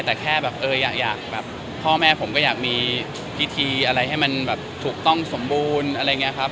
แต่แค่แบบเอออยากแบบพ่อแม่ผมก็อยากมีพิธีอะไรให้มันแบบถูกต้องสมบูรณ์อะไรอย่างนี้ครับ